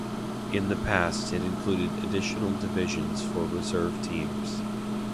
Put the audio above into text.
In the past it included additional divisions for reserve teams.